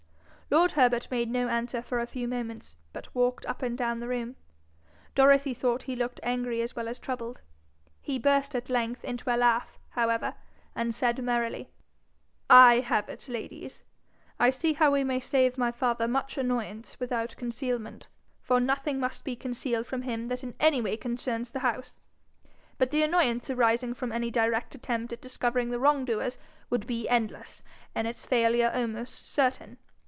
Lord Herbert made no answer for a few moments, but walked up and down the room. Dorothy thought he looked angry as well as troubled. He burst at length into a laugh, however, and said merrily, 'I have it, ladies! I see how we may save my father much annoyance without concealment, for nothing must be concealed from him that in any way concerns the house. But the annoyance arising from any direct attempt at discovering the wrongdoers would be endless, and its failure almost certain.